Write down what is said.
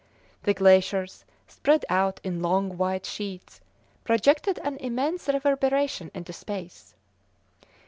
The glaciers, spread out in long white sheets, projected an immense reverberation into space.